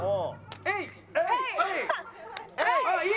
えい！